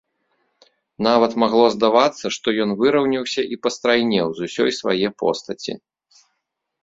Нават магло здавацца, што ён выраўняўся і пастрайнеў з усёй свае постаці.